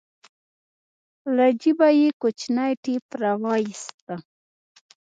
له جيبه يې کوچنى ټېپ راوايست.